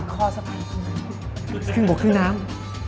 คอสะพานครึ่งบกครึ่งน้ำ